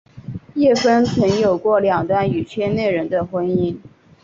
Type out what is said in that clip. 叶枫曾有过两段与圈内人的婚姻。